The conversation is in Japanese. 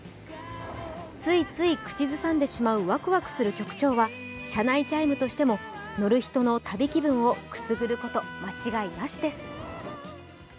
ついつい口ずさんでしまうワクワクする曲調は車内チャイムとしても乗る人の旅気分をくすぐること間違いなしです。